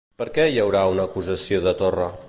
Per què hi haurà una acusació de Torra?